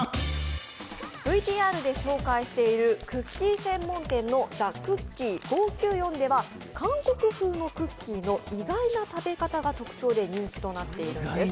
ＶＴＲで紹介しているクッキー専門店のＴＨＥＣＯＯＫＩＥ５９４では韓国風のクッキーの意外な食べ方が特徴で人気となっているんです。